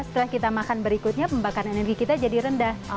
setelah kita makan berikutnya pembakaran energi kita jadi rendah